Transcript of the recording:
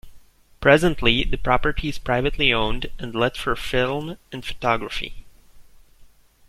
Presently, the property is privately owned and let for film and photography.